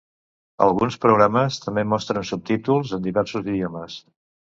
Alguns programes també mostren subtítols en diversos idiomes.